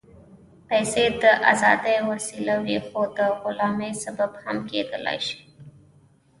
پېسې د ازادۍ وسیله وي، خو د غلامۍ سبب هم کېدای شي.